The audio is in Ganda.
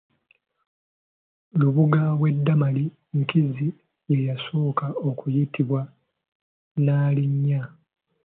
Lubuga we Damali Nkinzi ye yasooka okuyitibwa Nnaalinya.